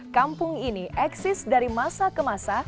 kampung ini eksis dari masa ke masa